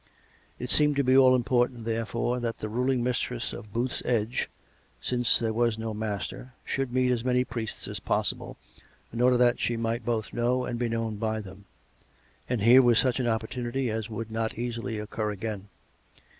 It seemed to 134 COME RACK! COME ROPE! be all important, therefore, that the ruling mistress of Booth's Edge, since there was no master, should meet as many priests as possible, in order that she might both know and be known by them ; and here was such an oppor tunity as would not easily occur again.